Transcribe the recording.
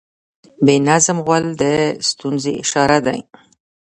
بې نظم غول د ستونزې اشاره ده.